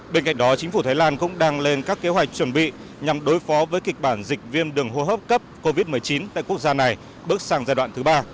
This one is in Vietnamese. bên cạnh đó chính phủ thái lan cũng đang lên các kế hoạch chuẩn bị nhằm đối phó với kịch bản dịch viêm đường hô hấp cấp covid một mươi chín tại quốc gia này bước sang giai đoạn thứ ba